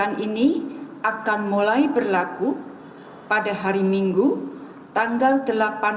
saat ini saya telah melakukan perjalanan oleh latar belakang